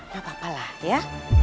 gak apa apa lah ya